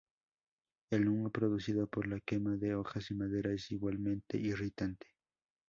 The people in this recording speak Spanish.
El humo producido por la quema de hojas y madera es igualmente irritante.